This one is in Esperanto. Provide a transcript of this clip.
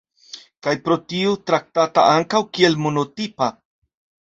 Kaj pro tio traktata ankaŭ kiel monotipa.